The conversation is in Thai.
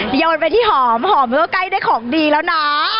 โยนไปที่หอมหอมก็ใกล้ได้ของดีแล้วนะ